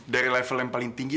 dari level yang paling tinggi